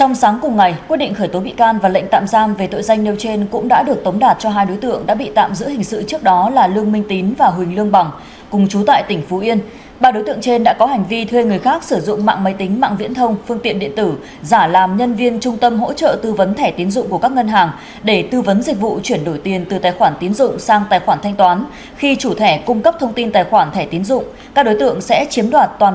văn phòng cơ quan cảnh sát điều tra công an tỉnh phú yên vừa tấm đạt quyết định khởi tố bị can và thực hiện lệnh bắt tạm giam về tội danh sử dụng mạng máy tính mạng viễn thông phương tiện điện tử thực hiện hành vi chiếm đoạt tài sản đối với lương hoàng tín chú tại tp hồ chí minh